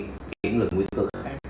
từ những người nguy cơ